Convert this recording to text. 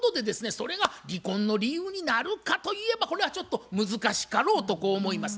それが離婚の理由になるかといえばこれはちょっと難しかろうとこう思います。